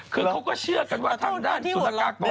คือเขาก้วชี่ศูนย์กันว่าทางด้านสุรกากร